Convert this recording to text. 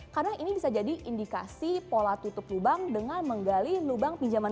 karena ini bisa jadi indikasi pola tutup lubang dengan menggali lubang pinjaman